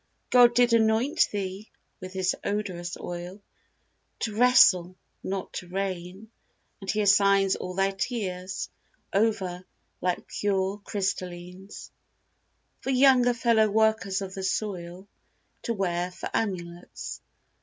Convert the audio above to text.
God did anoint thee with His odorous oil, To wrestle, not to reign; and He assigns All thy tears over, like pure crystallines, For younger fellow workers of the soil To wear for amulets.